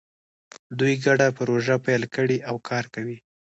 دوی ګډه پروژه پیل کړې او کار کوي